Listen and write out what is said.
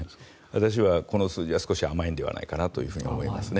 私はこの数字は少し甘いのではないかと思いますね。